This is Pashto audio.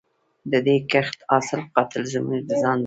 د دې کښت حاصل قاتل زموږ د ځان دی